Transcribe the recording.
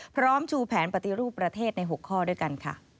พร้อมชูแผนปฏิรูปประเทศใน๖ข้อด้วยกัน